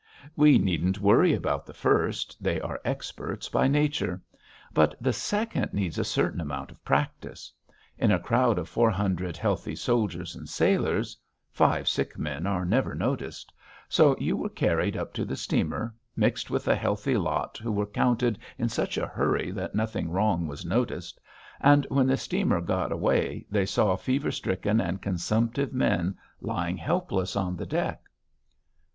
We needn't worry about the first, they are experts by nature; but the second needs a certain amount of practice. In a crowd of four hundred healthy soldiers and sailors five sick men are never noticed; so you were carried up to the steamer, mixed with a healthy lot who were counted in such a hurry that nothing wrong was noticed, and when the steamer got away they saw fever stricken and consumptive men lying helpless on the deck...."